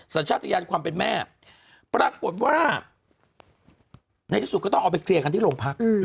สัญชาติยานความเป็นแม่ปรากฏว่าในที่สุดก็ต้องเอาไปเคลียร์กันที่โรงพัก